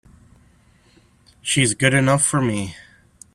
She's good enough for me!